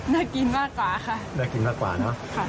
น่ากินมากกว่าค่ะน่ากินมากกว่าเนอะ